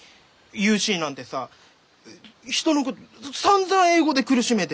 ユーシーなんてさ人のことさんざん英語で苦しめてさ！